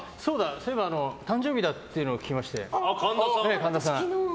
そういえば誕生日だっていうのを聞きまして神田さん。